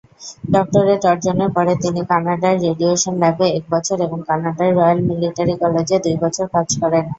Doctorate অর্জনের পরে তিনি কানাডার রেডিয়েশন ল্যাবে এক বছর এবং কানাডার রয়েল মিলিটারী কলেজে দুই বছর কাজ করেন।